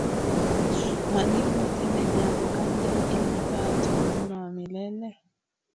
Mwalimu nitende jambo gani jema ili nipate uzima wa milele akamwambia Kwani kuniuliza habari